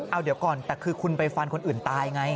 เอาเดี๋ยวก่อนแต่คือคุณไปฟันคนอื่นตายไง